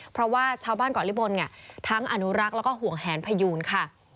เพราะว่าชาวบ้านเกาะลิบลทั้งอนุรักษ์แล้วก็ห่วงแหนพยูนค่ะ